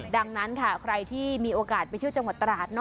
ดังนั้นค่ะใครที่มีโอกาสไปเที่ยวจังหวัดตราด